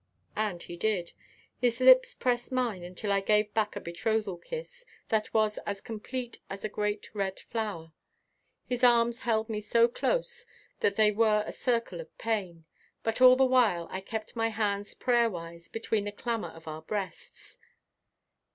And he did. His lips pressed mine until I gave back a betrothal kiss that was as complete as a great red flower. His arms held me so that they were a circle of pain, but all the while I kept my hands prayerwise between the clamor of our breasts.